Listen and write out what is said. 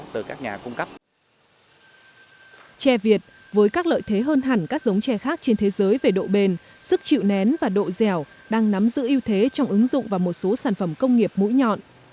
tre việt với các lợi thế hơn hẳn các giống tre khác trên thế giới về độ bền sức chịu nén và độ dẻo đang nắm giữ ưu thế trong ứng dụng và một số sản phẩm công nghiệp mũi nhọn